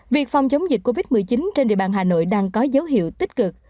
việc phòng chống dịch covid một mươi chín trên địa bàn hà nội đang có dấu hiệu tích cực